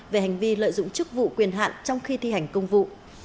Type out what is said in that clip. về hành vi lợi dụng chức vụ quyền hạn trong khi thi hành công vụ